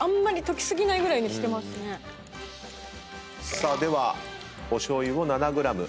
さあではお醤油を７ｇ。